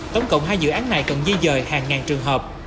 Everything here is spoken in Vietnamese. tổng cộng hai dự án này cần di dời hàng ngàn trường hợp